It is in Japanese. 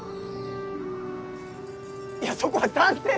いやそこは「賛成！」